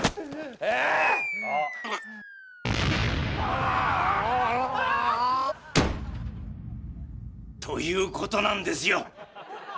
ああっ！ということなんですよ！